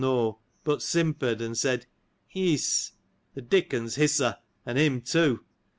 3s 506 but simpered and said iss. (The Dickons hiss her, and him too